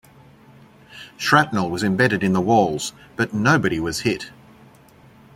Shrapnel was embedded in the walls, but nobody was hit.